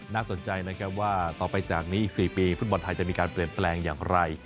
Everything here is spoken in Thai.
น่าสนใจนะครับว่าต่อไปจากนี้อีก๔ปีฟุตบอลไทยจะมีการเปลี่ยนแปลงอย่างไร